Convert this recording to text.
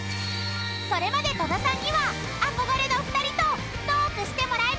［それまで戸田さんには憧れの２人とトークしてもらいましょう！］